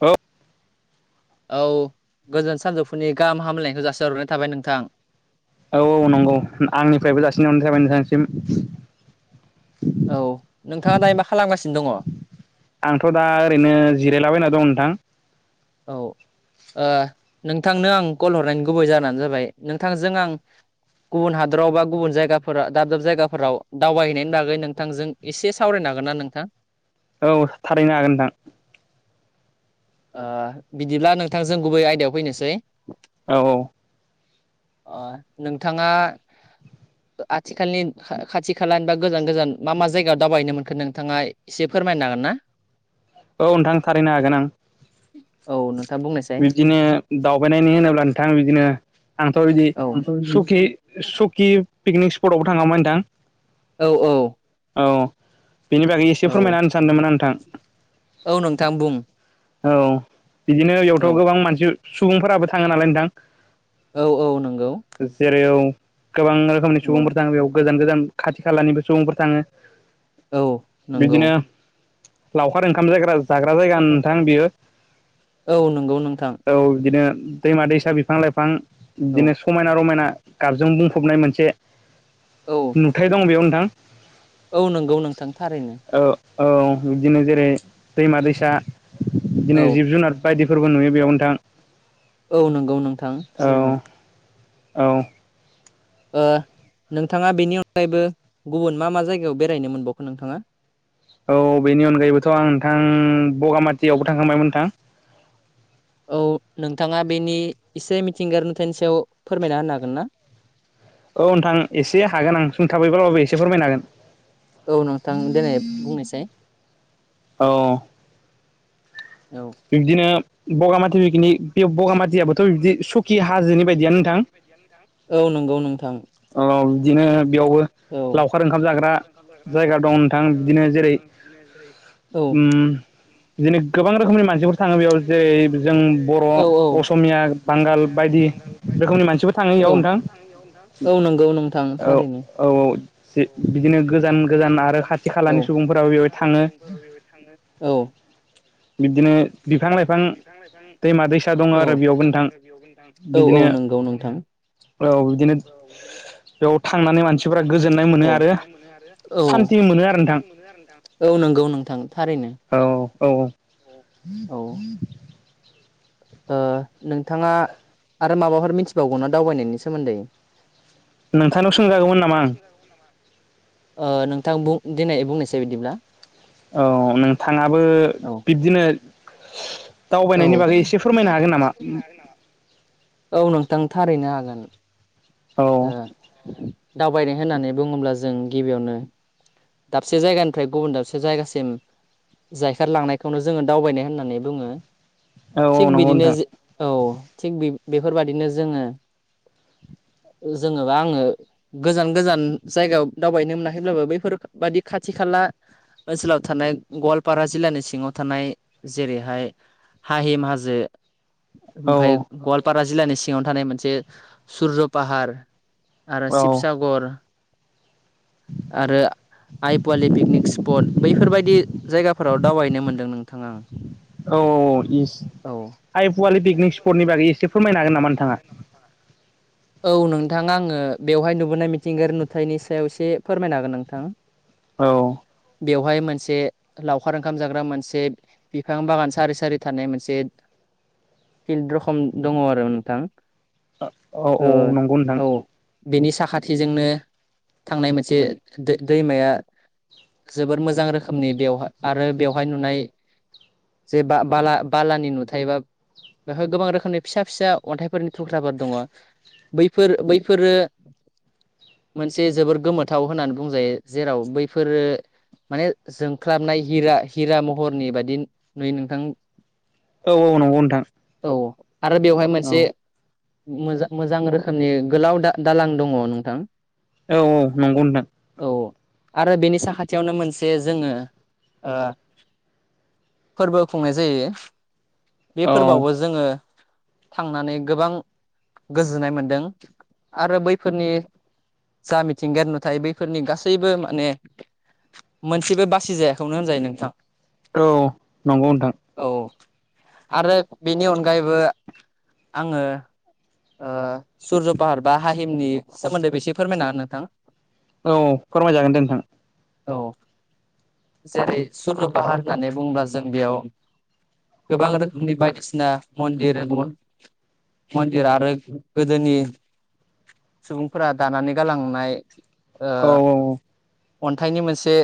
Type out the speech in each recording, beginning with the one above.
औ औ गोजोन सानजौफुनि गाहाम हामलायनायखौ जासहरनाय थाबाय नोंथां औ औ नंगौ आंनिफ्रायबो जासिन हरनाय थाबाय नोंथांसिम औ नोंथाङा दायो मा खालामगासिनो दङ' आंथ' दा ओरैनो जिरायलाबायना दं नोंथां औ ओ नोंथांनो आं कल हरनायनि गुबै जानो जाबाय नोंथांजों आं गुबुन हादराव बा गुबुन जायगाफोरा दाब दाब जायगाफोराव दावबायहैनायनि बागै नोंथांजों एसे सावरायना हागोनना नोंथां? औ थारैनो हागोन नोंथां ओ बिदिब्ला नोंथांजों गुबै आयदायाव फैनोसै औ औ ओ नोंथाङा ओ आथिखालनि [unintelligible] खा खाथि खालानि बा गोजान गोजान मा मा जायगायाव दावबायनो मोनखो नोंथाङा एसे फोरमायनो हागोन ना? औ नोंथां थारैनो हागोन आं औ नोंथां बुंनायसाय बिदिनो दावबायनायनि होनोब्ला नोंथां बिदिनो आंथ' बिदि औ सुकि सुकि पिकनिक स्पटआवबो थाङामोन नोंथां औ औ औ बेनि बागै औ एसे फोरमायना होनो सानदोंमोन नोंथां औ नोंथां बुं औ बिदिनो औ इयावथ' गोबां मानसि सुबुंफोराबो थाङो नालाय नोंथां औ औ नंगौ जेरै औ गोबां रोखोमनि औ सुबुंफोर थाङो बेयाव गोजान गोजान खाथि खालानिबो सुबुंफोर थाङो औ नंगौ। बिदिनो लावखार ओंखाम जायग्रा ज जाग्रा जायगा नोंथां बियो औ नंगौ नोंथां औ बिदिनो दैमा दैसा बिफां लाइफां औ बिदिनो समायना रमायना गाबजों बुंफबनाय मोनसे औ नुथाय दं बेयाव नोंथां औ नंगौ नोंथां थारैनो औ औ बिदिनो जेरै दैमा -दैसा [unintelligible] दिनो औ जिब -जुनार बायदिफोरबो नुयो बेयाव नोथां औ नंगौ नोंथां थारैनो औ ओ नोंथाङा बेनि अनगायैबो गुबुन मा मा जायगायाव बेरायनो मोनबावखो नोंथाङा औ बेनि अनगायैबोथ' आं नोंथां बगामाटियावबो थांखांबायमोन नोंथां औ नोंथाङा बेनि एसे मिथिंगायारि नुथायनि सायाव फोरमायना होनो हागोन ना? औ नोंथां एसे हागोन आं सुथाबैब्लाबो एसे फोरमायनो हागोन। औ नोंथां देनाय बुंनायसाय औ बिबदिनो बगामाथि बिखिनि बेव बगामाथियाबो थ' बिदि सुखि हाजोनि बायदियानो नोंथां औ नंगौ नोंथां औ औ बेयावबो औ लावखार ओंखाम जाग्रा जायगा दं नोंथां बिदिनो जेरै औ उम इदिनो गोबां रोखोमनि मानसिफोर थाङो बेयाव जेरै जों बर' औ औ असमिया बांगाल बायदि रोखोमनि मानसिफोर थाङो औ इयाव नोंथां औ नंगौ नोंथां औ थारैनो औ औ सि बिदिनो गोजान गोजान आरो खाथि औ खालानि सुबुंफोराबो बेवहाय थाङो। बिब्दिनो बिफां लाइफां दैमा दैसा दङ औ आरो बेयावबो नोंथां औ औ बिदिनो नंगौ नोंथां औ बिदिनो बेयाव थांनानै औ मानसिफोरा गोजोननाय मोनो आरो सान्थि मोनो आरो नोंथां औ औ नंगौ नोंथां थारैनो औ औ औ ओ नोंथाङा आरो माबाफोर मिथिबावगौना दावबायनायनि सोमोन्दै नोंथांनाव सोंजागौमोन नामा आं ओ नोंथां बु दिनै बुंनोसै बिदिब्ला औ नोंथाङाबो औ बिब्दिनो औ दावबायनायनि बागै एसे फोरमायनो हागोन नामा औ नोंथां थारैनो हागोन औ ओ दावबायनाय होननानै बुङोब्ला जों गिबियावनो दाबसे जायगानिफ्राय गुबुन दाबसे जायगासिम जायखारलांनायखौनो जोङो दावबायनाय होननानै बुङो औ थिग नंगौ बिदिनो नोंथां औ थिग बे बेफोरबादिनो जोङो जोङोबा आङो गोजान गोजान जायगायाव दावबायनो मोनाखैब्लाबो बैफोर बादि खाथि खाला ओनसोलाव थानाय गवालपारा जिल्लानि सिङाव थानाय जेरैहाय हाहिम हाजो औ ओमफ्राय गवालपारा जिल्लानि सिङावनो थानाय मोनसे सुरज पाहार आरो औ शिबसागर आरो आइ पवालि पिकनिक स्पट बैफोरबायदि जायगाफोराव दावबायनो मोनदों नों औ औ औ इस आइ फवलि आइ पवालि पिकनिक स्टकनि बागै इसे फोरमायनो हागोन नामा नोंथाङा [inaudible] औ नोंथाङा आङो बेवहाय नुबोनाय मिथिंगायारि नुथाइनि सायाव एसे फोरमायनो हागोन नोंथां औ बेवहाय मोनसे लावखार ओंखाम जाग्रा मोनसे बिफां बागान सारि सारि थानाय मोनसे [inaudible] फिल्ड रखम दङ आरो नोंथां औ औ औ ओ नंगौ नोंथां औ बेनि साखाथिजोंनो थांनाय मोनसे दैमाया जोबोद मोजां रोखोमनि बेवहाय आरो बेवहाय नुनाय जे बा बाला बालानि नुथाय बा बेवहाय गोबां रोखोमनि फिसा फिसा अन्थाइफोरनि थुख्राफोर दङ बैफोर बैफोरो मोनसे जोबोर गोमोथाव होननानै बुंजायो जेराव बैफोरो माने जोंख्लाबनाय हिरा हिरा महरनि बादि नै नोंथां औ औ नंगौ नोंथां औ आरो बेवहाय औ मोनसे मोजां मोजां रोखोमनि गोलाव दा दालां दङ नोंथां औ औ नंगौ नोंथां औ आरो बेनि साखाथियावनो मोनसे जोङो फोरबो खुंनाय जायो बे औ फोरबोआवबो जोङो थांनानै गोबां गोजोननाय मोनदों आरो बैफोरनि जा मिथिंगायारि नुथाय बैफोरनि गासैबो माने मोनसेबो बासि जायाखौनो होनजायो नोंथां औ नंगौ नोंथां औ आरो बेनि अनगायैबो आङो सुरज' पाहार बा हाहिमनि सोमोन्दै बेसे फोरमायना नोंथां औ फोरमायजागोन दे नोंथां औ जेरै सुरज'पाहार होननानै बुंङोबा जों बेयाव गोबां रोख खोमनि बायदिसिना मन्दिर मन्दिर आरो गोदोनि सुबुंफोरा दानानै गालांनाय ओ औ औ औ अन्थाइनि मोनसे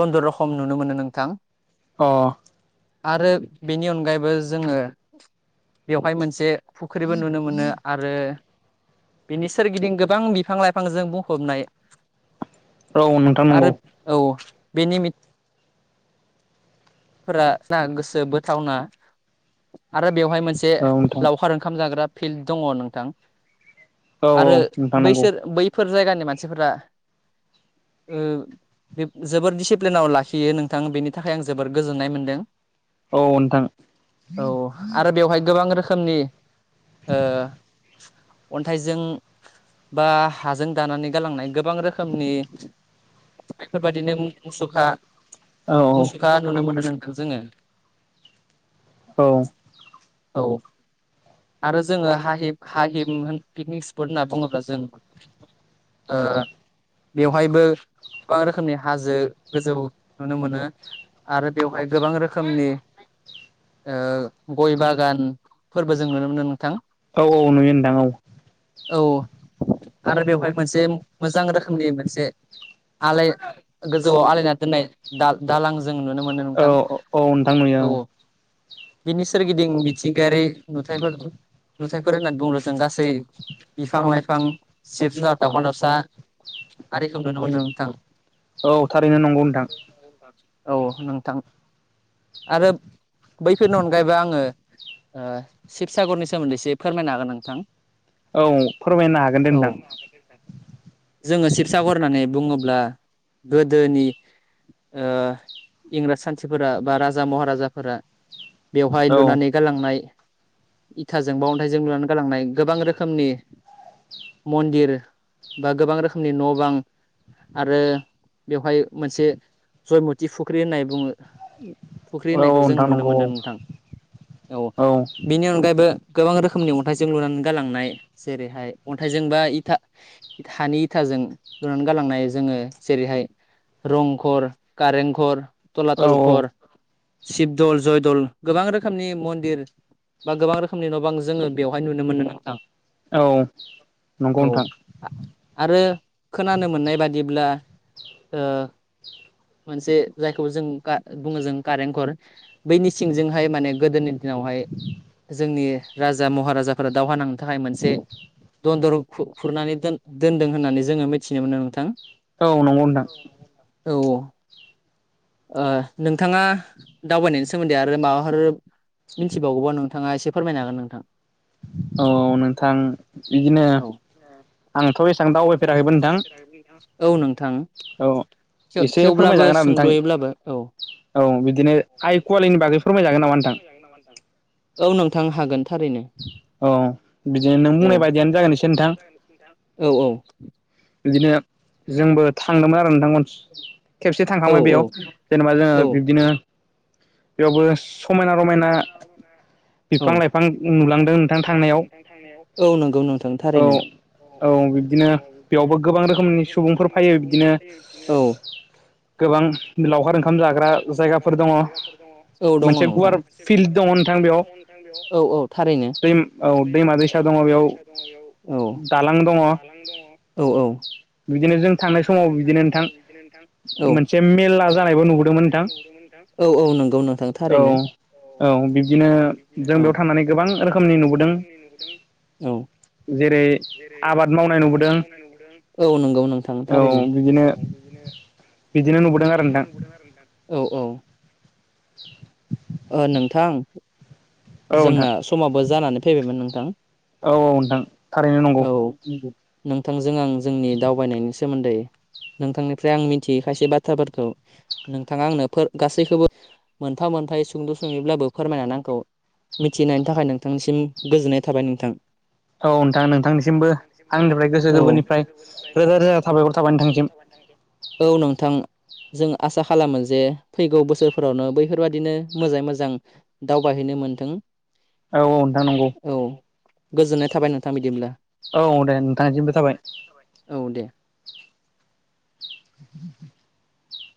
दन्दर' रखम नुनो मोनो नोंथां अ आरो बेनि अनगायैबो जोङो बेवहाय मोनसे फुख्रिबो नुनो मोनो आरो बिनि सोरगिदिं गोबां बिफां लाइफांजों बुंफबनाय औ नोंथां नंगौ आरो औ बेनि फोरा गोसो बोथावना आरो बेवहाय मोनसे औ नोंथां लावखार ओंखाम जाग्रा फिल्ड दङ नोंथां औ आरो नोंथां नंगौ बैसोर बैफोर जायगानि मानसिफोरा ओ जोबोर दिडिसिप्लिनाव लाखियो नोंथां बेनि थाखाय आं जोब बोर गोजोननाय मोनदों औ नोंथां औ आरो बेवहाय गोबां रोख खोमनि ओ अन्थाइजों बा हाजों दानानै गालांनाय गोबां रोखोमनि बेफोरबायादिनो मुसुखा औ औ मुसुखा नुनो मोनो नोंथों जोङो औ औ आरो जोङो हाहि हाहिब होन पिकनिक स्पट होनना बुङोब्ला जों ओ बेवहायबो गोबां रोखोमनि हाजो गोजौ नुनो मोनो आरो बेवहाय गोबां रोखोमनि ओ गय बागान फोरबो जों नुनो मोनो नोंथां औ औ नुयो नोंथां औ औ आरो बेवहाय मोनसे मोजां रोखोमनि मोनसे आलाय गोजौआव आलायना दोननाय दा-दालां जों नुनो मोनो नोंथां औ औ नोंथां नुयो औ बिनि सोरगिदिं मिथिंगायारि नुथायफोर नुथायफोर होननानै बुंबोला जों गासै बिफां लाइफां जिब जुनार दावमा दावसा आरिखौ नुनो मोनो नोंथां औ थारैनो नंगौ नोंथां औ नोंथां आरो बैफोरनि अनगायैबो आङो ओ शिबसागरनि सोमोन्दै एसे फोरमायनो हागोन नोंथां औ फोरमायनो हागोन दे नोंथां औ जोङो शिबसागर होननानै बुङोब्ला गोदोनि ओ इंराज सान्थिफोरा बा राजा महाराजाफोरा बेवहाय औ लुनानै गालांनाय इथाजों बा अन्थाइजों लुनानै गालांनाय गोबां रोखोमनि मनदिर बा गोबां रोखोमनि न बां आरो बेवहाय मोनसे जयमत ति फुख्रि होननाय बुङो फुख्रि औ होननायखौ जों नोंथां नुनो नंगौ मोनदों नोंथां औ बेनि अनगायैबो गोबां रोखोमनि अन्थाइजों लुनानै गालांनाय जेरैहाय अन्थाइजों बा इथा हानि इथाजो जों लुनानै गालांनाय जोङो जेरैहाय रंखर कारेंघर औ तलात'ल घर औ शिबदल जयदल गोबां रोखोमनि मन्दिर बा गोबां रोखोमनि न बां जोङो बेवहाय नुनो मोनो नोंथां औ नंगौ औ नोंथां आरो खोनानो मोननाय बादिब्ला ओ मोनसे जायखौ जों बुङो जों कारेन्टघर बैनि सिंजोंहाय माने गोदोनि दिनावहाय जोंनि राजा महाराजाफोरा दावहा नांनो थाखाय मोनसे दन्दर‌आव खुरनानै दोन दोनदों होननानै जोङो मिथिनो मोनो नोंथां औ नंगौ नोंथां औ औ [unintelligible] ओ नोंथाङा दावबायनायनि सोमोन्दै आरो माबाफोर मिनथिबावगोबा नोंथाङा एसे फोरमायनो हागोन नोंथां औ नोंथां बिदिनो औ आंथ' एसां दावबायफेराखैबो नोंथां औ नोंथां औ थेव- एसे थेवब्लाबो फोरमायजागोन आरो नोंथां सुंदयोब्लाबो औ औ बिदिनो आइ कुवालिनि बागै फोरमायजागोन नामा नोंथां औ नोंथां हागोन थारैनो औ बिदिनो नों औ बुंनाय बायदियानो जागोन इसे नोंथां औ बिदिनो जोंबो थांदोंमोन आरो नोंथांमोन खेबसे से औ थांखांबाय बेयाव जेनेबा जोङो औ औ बिब्दिनो बेयावबो समायना रमायना बिफां लाइफां नुलांदों नोंथां नुलांदों थांनायाव नोंथां थांनायाव औ नंगौ नोंथां औ थारैनो औ बिब्दिनो बेयावबो गोबां बेयावबो रोखोमनि गोबां सुबुंफोर रोखोमनि फायो सुबुंफोर बिदिनो फैयो बिदिनो गोबां लावखार ओंखाम जाग्रा जायगाफोर दङ' मोनसे गुवार फिल्ड दं फिल्ड दङ' नोंथां बेयाव औ औ थारैनो दै औ दै दैमा अ दैसा दङ दैमा बेयाव दैसा दङ' बेयाव औ दालां दङ दालां दङ' औ औ बिदिनो जों थांनाय बिदिनो समाव जों थांनाय नोंथां समाव बिबदिनो नोंथां औ मोनसे मेला मोनसे जानायबो मेलला नुबोदोंमोन नोंथां जानायखौ नुबोदोंमोन नोंथां औ औ नंगौ नोंथां औ थारैनो औ बिब्दिनो औ बिदिनो जों बेयाव औ थांनानै गोबां रोखोमनि नुबोदों औ जेरै आबाद मावनाय नुबोदों औ नंगौ नों औ बिदिनो नुबोदों आरो नोंथां बिदिनो नुबोदों आरो नोंथां औ औ [unintelligible] ओ नोंथां औ नोंथां जोंना समाबो जानानै फैबायमोन नोंथां थां थारैनो नंगौ औ नोंथांजों आं जोंनि दावबायनायनि सोमोन्दै नोंथांनिफ्राय आं मिनथियै खायसे बाथ्राफोरखौ नोंथाङा आंनो फोर गासैखोबो मोनफा मो खन्थाइ सुंद' सङैब्लाबो फोरमायनानै आंखौ मिथिनायनि थाखाय नोंथांनिसिम गोजोननाय थाबाय नोंथां औ नोंथां नोंथांनिसिमबो आंनिफ्राय गोसो औ गोरबोनिफ्राय रोजा रोजा साबायखर थाबाय नोंथांनिसिम औ नोंथां जों आसा खालामो जे फैगौ बोसोरफोरावनो बैफोरबायादिनो मोजाङै मोजां दावबायहैनो मोन औ औ नोंथां नंगौ गोजोननाय थाबाय नोंथां बिदिब्ला औ दे नोंथांसिमबो थाबाय औ दे [unintelligible]